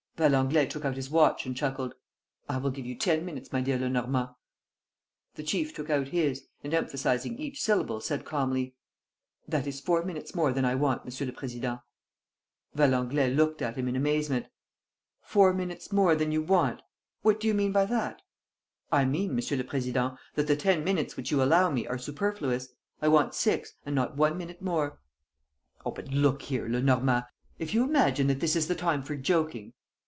Valenglay took out his watch and chuckled: "I will give you ten minutes, my dear Lenormand!" The chief took out his, and emphasizing each syllable, said calmly: "That is four minutes more than I want, Monsieur le Président." Valenglay looked at him in amazement. "Four minutes more than you want? What do you mean by that?" "I mean, Monsieur le Président, that the ten minutes which you allow me are superfluous. I want six, and not one minute more." "Oh, but look here, Lenormand ... if you imagine that this is the time for joking